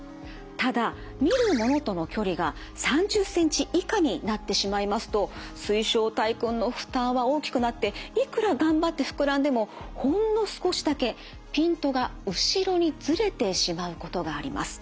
ただ見るものとの距離が３０センチ以下になってしまいますと水晶体くんの負担は大きくなっていくら頑張って膨らんでもほんの少しだけピントが後ろにずれてしまうことがあります。